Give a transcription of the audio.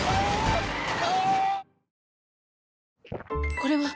これはっ！